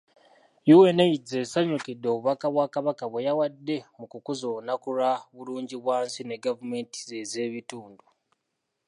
UNAIDS esanyukidde obubaka bwa Kabaka bwe yawadde mu kukuza olunaku lwa Bulungibwansi ne Gavumenti ez'ebitundu